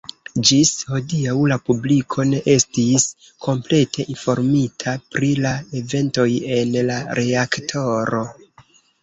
Ĝis hodiaŭ la publiko ne estis komplete informita pri la eventoj en la reaktoro.